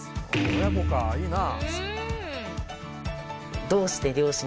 親子かいいなあ。